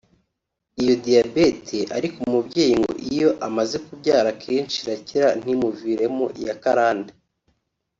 Iyo diyabete ariko umubyeyi ngo iyo amaze kubyara akenshi irakira ntimuviremo iya karande